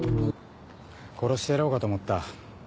殺してやろうかと思った。